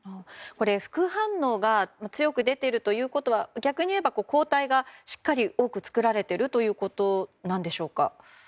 副反応が強く出ているということは逆にいえば、抗体がしっかり多く作られているということなんでしょうか。